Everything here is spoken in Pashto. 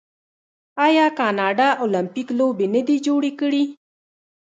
آیا کاناډا المپیک لوبې نه دي جوړې کړي؟